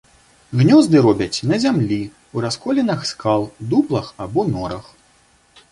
Гнёзды робяць на зямлі, у расколінах скал, дуплах або норах.